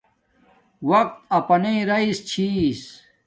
وقت اپانݵ راݵ چھی